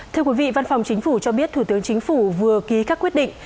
thưa quý vị văn phòng chính phủ cho biết thủ tướng chính phủ vừa ký các quyết định